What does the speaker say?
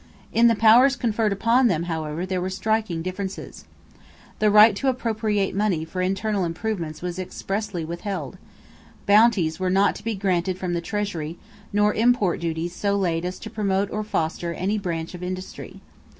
In the powers conferred upon them, however, there were striking differences. The right to appropriate money for internal improvements was expressly withheld; bounties were not to be granted from the treasury nor import duties so laid as to promote or foster any branch of industry.